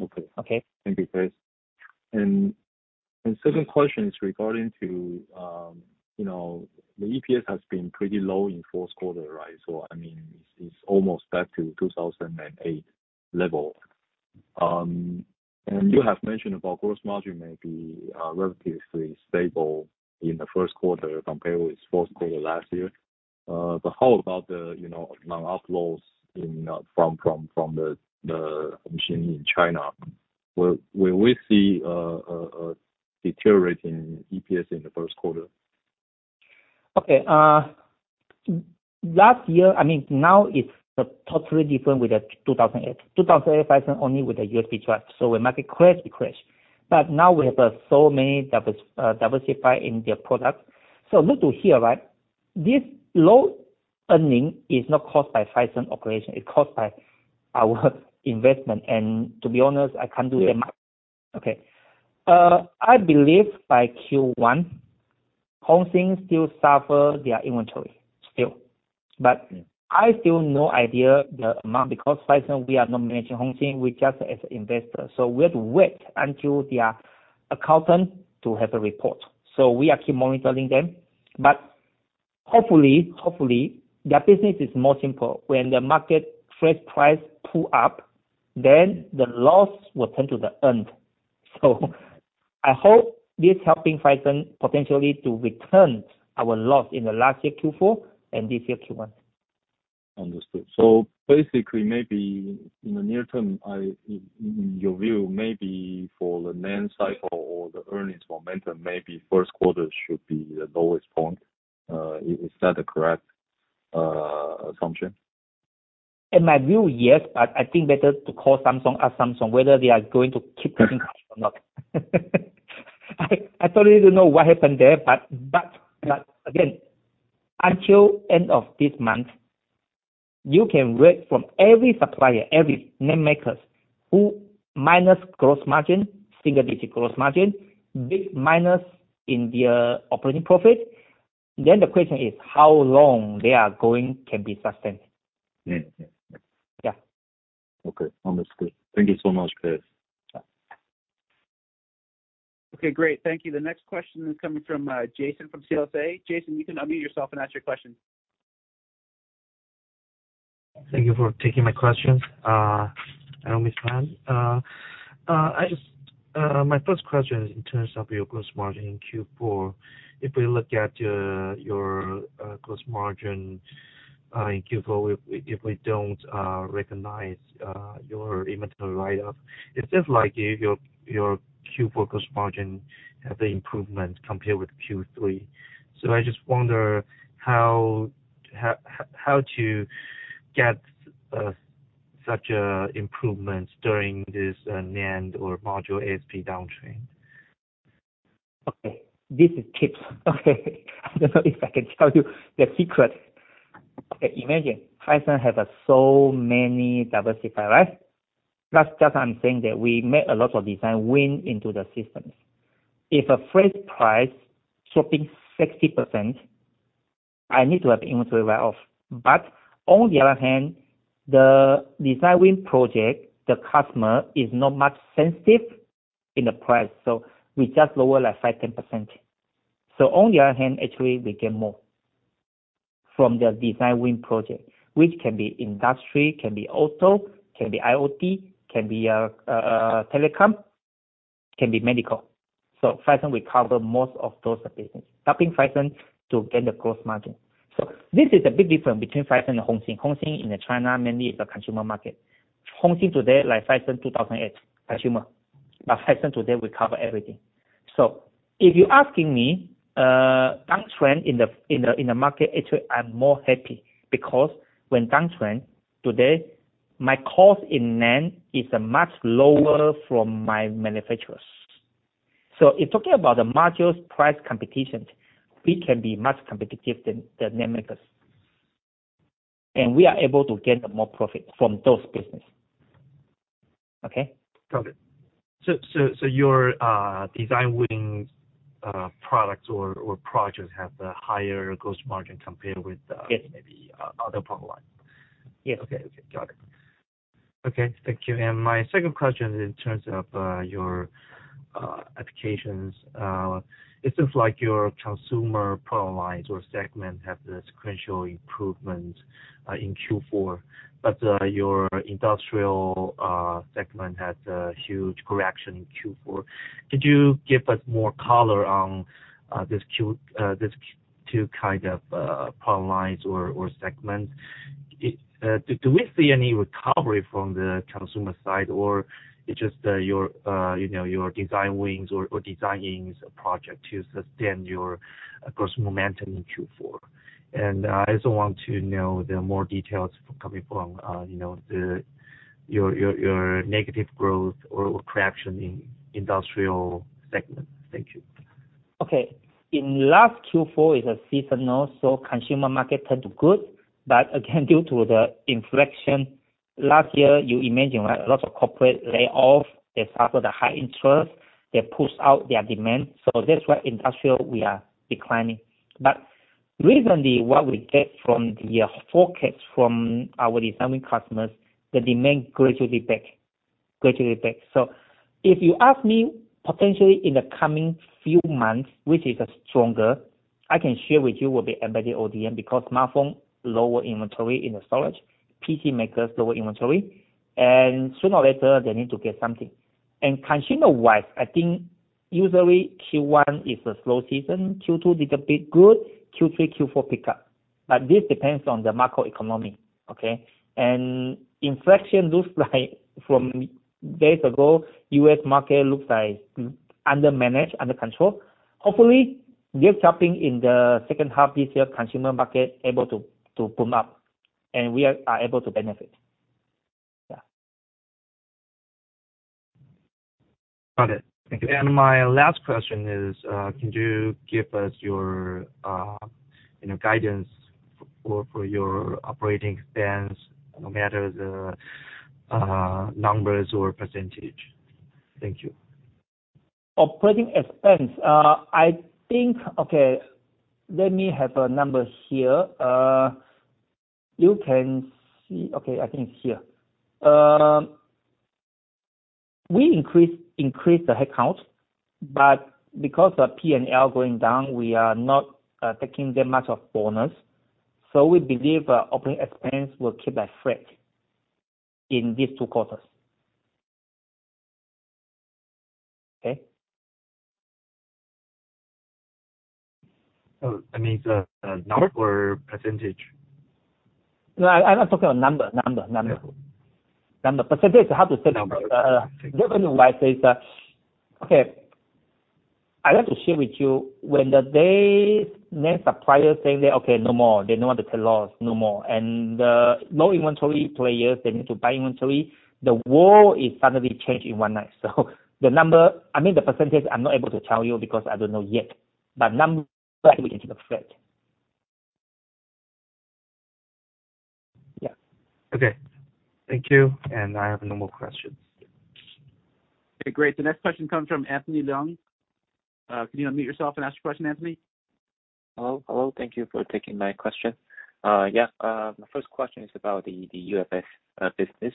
Okay. Okay? Thank you, K.S.. Second question is regarding to, you know, the EPS has been pretty low in fourth quarter, right? I mean, it's almost back to 2008 level. You have mentioned about gross margin may be relatively stable in the first quarter compared with fourth quarter last year. How about the, you know, non-OP loss from the machine in China? Will we see deteriorating EPS in the first quarter? Okay, I mean, now it's totally different with the 2008. 2008, Phison only with the USB drive, we might be crash to crash. Now we have so many diversify in their product. Look to here, right? This low earning is not caused by Phison operation. It's caused by our investment. To be honest, I can't do that much. Yeah. Okay. I believe by Q1, Hongxin still suffer their inventory still. Mm-hmm. I still no idea the amount because Phison, we are not managing Hongxin, we just as investor. We have to wait until their accountant to have a report. We are keep monitoring them. Hopefully, their business is more simple. When the market flash price pull up, then the loss will turn to the earn. I hope this helping Phison potentially to return our loss in the last year Q4 and this year Q1. Understood. basically maybe in the near term, I, in your view, maybe for the NAND cycle or the earnings momentum, maybe first quarter should be the lowest point. Is that a correct assumption? In my view, yes, I think better to call Samsung, ask Samsung whether they are going to keep cutting price or not. I totally don't know what happened there, but again, until end of this month, you can read from every supplier, every name makers who minus gross margin, single-digit gross margin, big minus in their operating profit. The question is how long they are going can be sustained. Mm-hmm. Yeah. Okay. Understood. Thank you so much, K.S.. Yeah. Okay, great. Thank you. The next question is coming from Jason from CSA. Jason, you can unmute yourself and ask your question. Thank you for taking my questions, Mr. Pan. My first question is in terms of your gross margin in Q4. If we look at your gross margin in Q4, if we don't recognize your inventory write-off, it seems like your Q4 gross margin have the improvement compared with Q3. I just wonder how to get such improvements during this NAND or module ASP downtrend. Okay, this is tips. I don't know if I can tell you the secret. Imagine, Phison have so many diversify, right? Just I'm saying that we made a lot of design win into the systems. If a flash price dropping 60%, I need to have inventory write-off. On the other hand, the design win project, the customer is not much sensitive in the price. We just lower like 5%-10%. On the other hand, actually we gain more from the design win project, which can be industry, can be auto, can be IoT, can be telecom, can be medical. Phison will cover most of those business, helping Phison to gain the gross margin. This is the big difference between Phison and Hongxin. Hongxin in China, mainly is a consumer market. Hongxin today, like Phison in 2008, consumer. Phison today, we cover everything. If you're asking me, downtrend in the market, actually I'm more happy because when downtrend today, my cost in NAND is much lower from my manufacturers. In talking about the modules price competitions, we can be much competitive than NAND makers. We are able to get more profit from those business. Okay? Got it. your design win products or projects have the higher gross margin compared with. Yes. Maybe other product line. Yes. Okay. Okay. Got it. Okay. Thank you. My second question is in terms of your applications. It seems like your consumer product lines or segments have the sequential improvement in Q4, but your industrial segment had a huge correction in Q4. Could you give us more color on these two kind of product lines or segments? Do we see any recovery from the consumer side or it's just your, you know, your design wins or design-ins project to sustain your gross momentum in Q4? I also want to know the more details coming from, you know, your negative growth or correction in industrial segment. Thank you. Okay. In last Q4 is a seasonal, consumer market tend to good. Again, due to the inflation, last year you imagine, right, a lot of corporate lay off. They suffer the high interest that pulls out their demand. That's why industrial, we are declining. Recently, what we get from the forecast from our designing customers, the demand gradually back. Gradually back. If you ask me potentially in the coming few months, which is stronger, I can share with you will be embedded ODM because smartphone lower inventory in the storage. PC makers lower inventory, sooner or later they need to get something. Consumer-wise, I think usually Q1 is a slow season. Q2 little bit good. Q3, Q4 pick up. This depends on the macroeconomic, okay? Inflation looks like from days ago, U.S. market looks like under managed, under control. Hopefully, this helping in the second half this year, consumer market able to boom up and we are able to benefit. Yeah. Got it. Thank you. My last question is, can you give us your, you know, guidance for your OpEx, no matter the numbers or percentage? Thank you. Operating expense. I think. Okay, let me have a number here. You can see. Okay, I think it's here. We increased the headcount, but because of P&L going down, we are not taking that much of bonus. We believe our operating expense will keep like flat in these two quarters. Okay. Oh. That means, number or percentage? No. I was talking about number. Yeah. Number. percentage, I have to check. The reason why is that. Okay. I have to share with you when the day NAND suppliers saying that, "Okay, no more. They don't want to take loss no more." The low inventory players, they need to buy inventory. The world is suddenly changed in one night. I mean, the percentage, I'm not able to tell you because I don't know yet. Number, I think we can keep it flat. Yeah. Okay. Thank you. I have no more questions. Okay, great. The next question comes from Anthony Leung. Can you unmute yourself and ask your question, Anthony? Hello. Hello. Thank you for taking my question. Yeah. My first question is about the UFS business.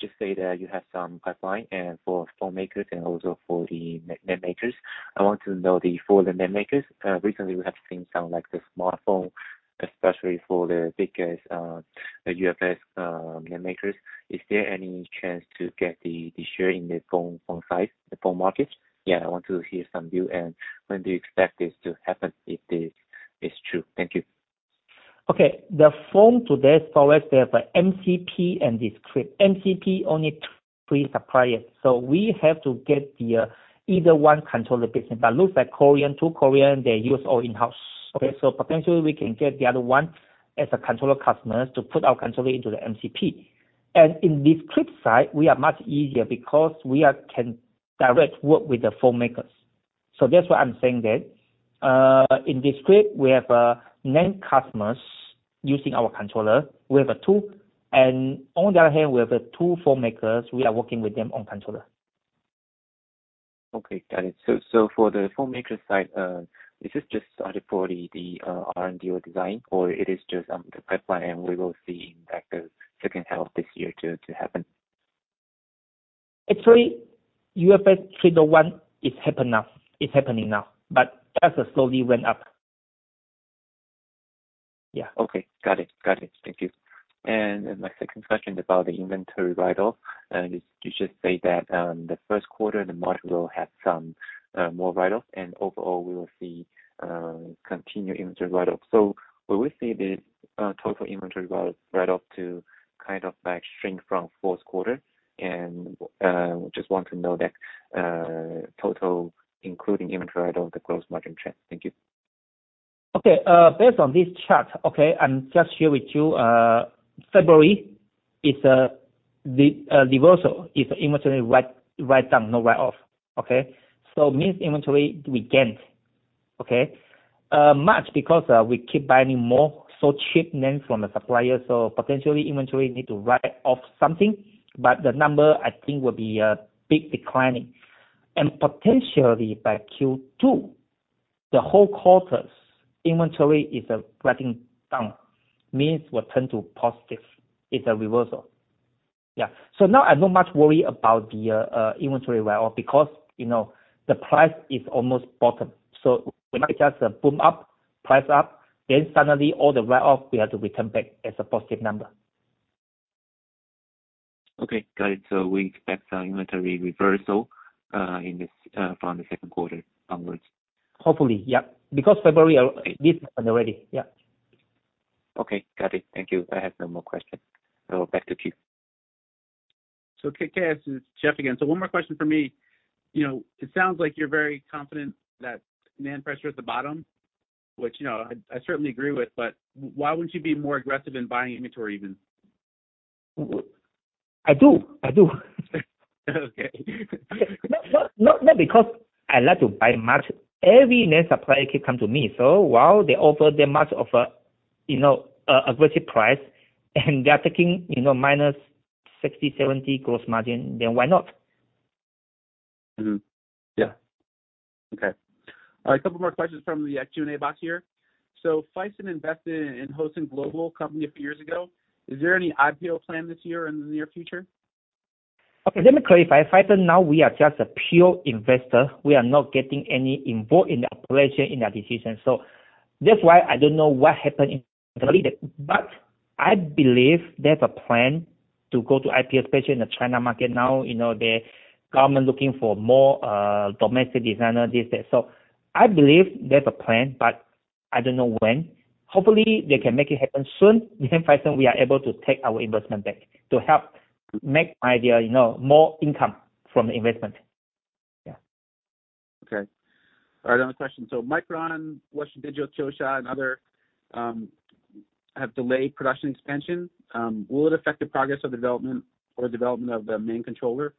Just say that you have some pipeline and for phone makers and also for the NAND makers. I want to know for the NAND makers, recently we have seen some like the smartphone, especially for the biggest UFS NAND makers. Is there any chance to get the share in the phone side, the phone market? Yeah, I want to hear some view and when do you expect this to happen, if this is true. Thank you. Okay. The phone to this far as the MCP and discrete. MCP only three suppliers. We have to get the, either one controller business, but looks like two Korean, they use all in-house. Okay? Potentially we can get the other one as a controller customer to put our controller into the MCP. In discrete side, we are much easier because we can direct work with the phone makers. That's why I'm saying that. In discrete we have nine customers using our controller. On the other hand, we have two phone makers, we are working with them on controller. Okay, got it. For the phone maker side, is this just started for the R&D or design, or it is just on the pipeline and we will see that the second half of this year to happen? Actually, UFS 3.1 is happening now, but just slowly went up. Yeah, okay. Got it. Got it. Thank you. My second question is about the inventory write-off. You just said that, the first quarter the margin will have some more write-off, and overall we will see continued inventory write-off. Will we see the total inventory write-off to kind of like shrink from fourth quarter? Just want to know that, total including inventory write-off, the gross margin trend. Thank you. Based on this chart, I'm just here with you. February is the reversal. It's inventory write down, not write off. Means inventory we gained. March, because we keep buying more, cheap NAND from the supplier, potentially inventory need to write off something. The number I think will be big declining. Potentially by Q2, the whole quarters inventory is writing down. Means will turn to positive. It's a reversal. Now I'm not much worried about the inventory write-off because, you know, the price is almost bottom. When it just boom up, price up, suddenly all the write-off we have to return back as a positive number. Okay, got it. We expect some inventory reversal in this from the second quarter onwards. Hopefully, yeah. February this happened already. Yeah. Okay. Got it. Thank you. I have no more questions. Back to you. K.S., it's Jeff again. One more question for me. You know, it sounds like you're very confident that NAND pressure is at the bottom, which, you know, I certainly agree with, but why wouldn't you be more aggressive in buying inventory even? I do. Okay. Not because I like to buy much. Every NAND supplier keep come to me. While they offer the much of a, you know, aggressive price and they are taking, you know, minus 60%-70% gross margin, why not? Mm-hmm. Yeah. Okay. A couple more questions from the Q&A box here. Phison invested in Hosin Global company a few years ago. Is there any IPO plan this year or in the near future? Let me clarify. Phison now we are just a pure investor, we are not getting any involved in the operation, in the decision. That's why I don't know what happened in but I believe there's a plan to go to IPO, especially in the China market now, you know. The government looking for more domestic designer, this that. I believe there's a plan, but I don't know when. Hopefully they can make it happen soon, Phison we are able to take our investment back to help make my idea, you know, more income from the investment. Yeah. Okay. All right, another question. Micron, Western Digital, Kioxia and other have delayed production expansion. Will it affect the progress of development or development of the main controller?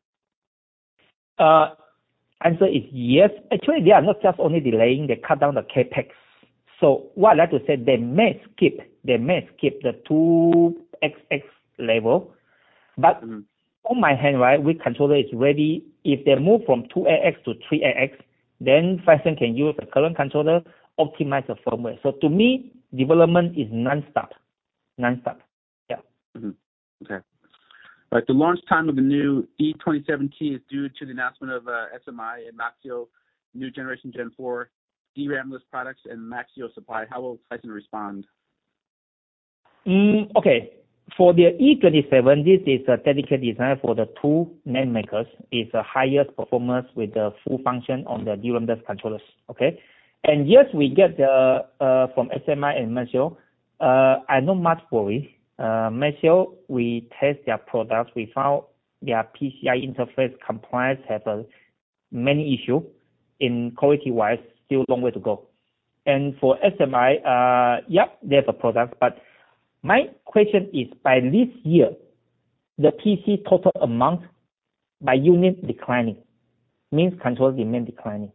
Answer is yes. Actually, they are not just only delaying, they cut down the CapEx. What I like to say, they may skip the 2xx level. Mm-hmm. on my hand, right, with controller is ready. If they move from 2xx to 3xx, Phison can use the current controller, optimize the firmware. To me, development is nonstop. Nonstop. Yeah. Mm-hmm. Okay. All right. The launch time of the new E27T is due to the announcement of SMI and Maxio new generation Gen 4 DRAM-less products and Maxio supply. How will Phison respond? Okay. For the E27, this is a dedicated design for the two NAND makers. It's a highest performance with the full function on the DRAM-less controllers. Okay? Yes, we get the from SMI and Maxio. I'm not much worried. Maxio, we test their products, we found their PCIe interface compliance has many issue. In quality-wise, still long way to go. For SMI, yep, they have a product. My question is, by this year, the PC total amount by unit declining. Means control demand declining.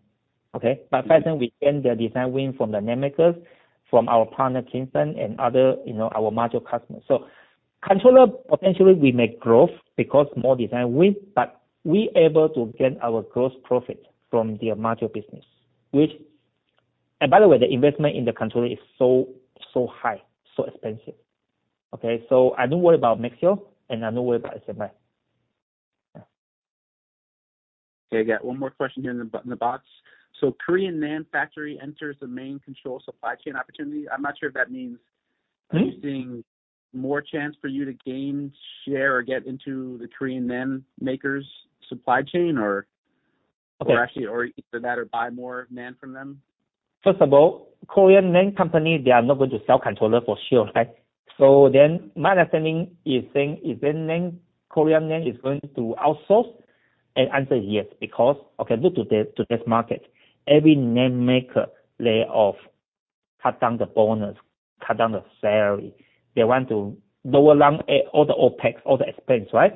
Okay? By Phison, we end the design win from the NAND makers. From our partner KingFai and other, you know, our module customers. Controller, potentially we make growth because more design win, we able to get our gross profit from their module business, which... By the way, the investment in the controller is so high, so expensive. Okay? I don't worry about Maxio. I don't worry about SMI. Yeah. Okay, got one more question here in the, in the box. Korean NAND factory enters the main control supply chain opportunity. I'm not sure if that means- Mm-hmm. Are you seeing more chance for you to gain, share or get into the Korean NAND makers supply chain or? Okay. actually, either that or buy more NAND from them? First of all, Korean NAND company, they are not going to sell controller for sure, right? My understanding is saying, is then NAND, Korean NAND is going to outsource? Answer is yes, because okay, look to this, to this market. Every NAND maker lay off, cut down the bonus, cut down the salary. They want to lower down all the OPEX, all the expense, right?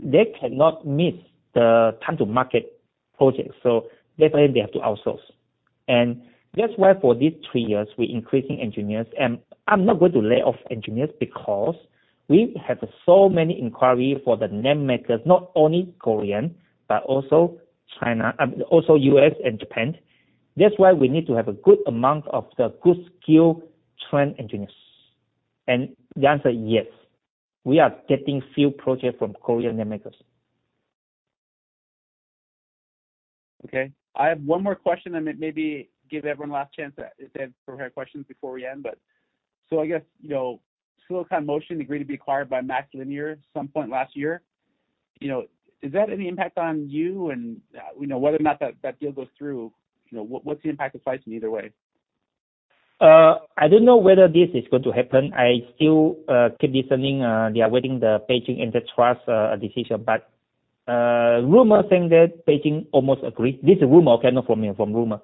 They cannot miss the time to market projects. That's why they have to outsource. That's why for these three years, we're increasing engineers. I'm not going to lay off engineers because we have so many inquiry for the NAND makers, not only Korean, but also China, also U.S. and Japan. That's why we need to have a good amount of the good skill trained engineers. The answer is yes, we are getting few project from Korean NAND makers. Okay. I have one more question and then maybe give everyone last chance to if they have further questions before we end. I guess, you know, Silicon Motion agreed to be acquired by MaxLinear at some point last year. You know, is that any impact on you? You know, whether or not that deal goes through, you know, what's the impact to Phison either way? I don't know whether this is going to happen. I still keep listening. They are waiting the Beijing antitrust decision. Rumor saying that Beijing almost agreed. This is rumor, okay, not from me, from rumor.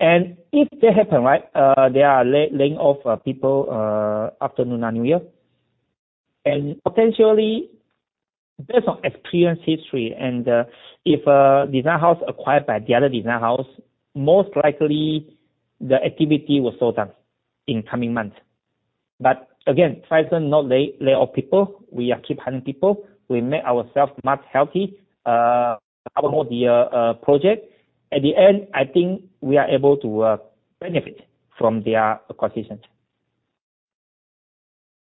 If that happen, right, they are laying off people after Lunar New Year. Potentially, based on experience history and, if a design house acquired by the other design house, most likely the activity will slow down in coming months. Phison not lay off people. We are keep hiring people. We make ourself much healthy, promote the project. At the end, I think we are able to benefit from their acquisitions.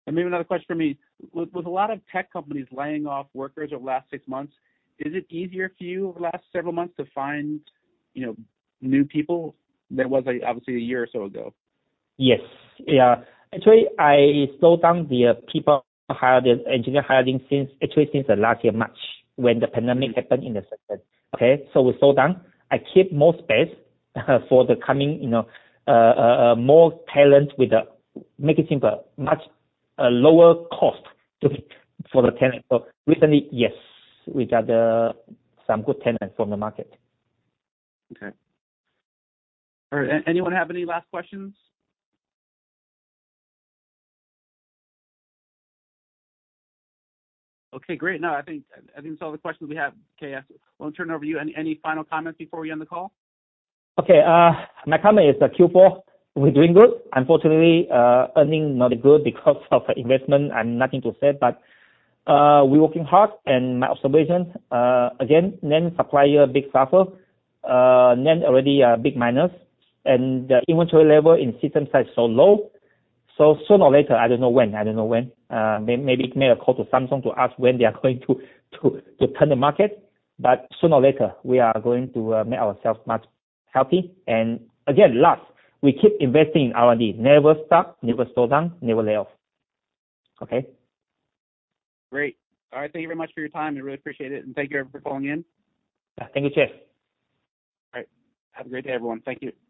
Maybe another question for me. With a lot of tech companies laying off workers over the last 6 months, is it easier for you over the last several months to find, you know, new people than it was, like, obviously a year or so ago? Yes. Yeah. Actually, I slow down the people hiring, engineer hiring since, actually since the last year March, when the pandemic happened in the second. Okay. We slow down. I keep more space for the coming, you know, more talent with make it simple, much lower cost to get for the talent. Recently, yes, we got some good talent from the market. Okay. All right. Anyone have any last questions? Okay, great. No, I think, I think that's all the questions we have. Okay, I want to turn it over to you. Any final comments before we end the call? Okay, my comment is that Q4, we're doing good. Unfortunately, earning not good because of investment and nothing to sell. We working hard and my observation, again, NAND supplier big suffer, NAND already a big minus and the inventory level in system side so low. Sooner or later, I don't know when, I don't know when, maybe make a call to Samsung to ask when they are going to turn the market. Sooner or later we are going to make ourself much healthy. Again, last, we keep investing in R&D. Never stop, never slow down, never lay off. Okay. Great. All right. Thank you very much for your time. I really appreciate it, and thank you everyone for calling in. Yeah. Thank you, Chase. All right. Have a great day, everyone. Thank you.